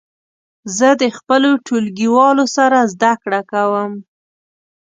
زه د خپلو ټولګیوالو سره زده کړه کوم.